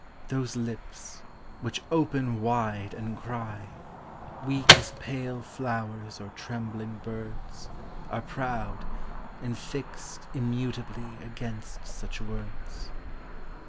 Those lips, which open wide and cry, Weak as pale flowers or trembling birds, Are proud, and fixed immutably Against such words.